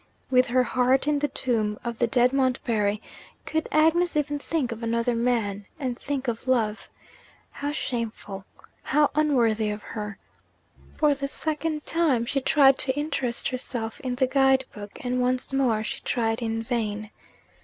With her heart in the tomb of the dead Montbarry, could Agnes even think of another man, and think of love? How shameful! how unworthy of her! For the second time, she tried to interest herself in the guide book and once more she tried in vain.